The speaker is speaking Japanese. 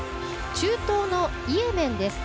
中東のイエメンです。